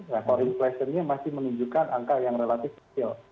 nah core inflation nya masih menunjukkan angka yang relatif kecil